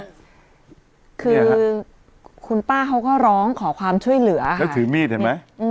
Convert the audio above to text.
คือคุณป้าเขาก็ร้องขอความช่วยเหลือแล้วถือมีดเห็นไหม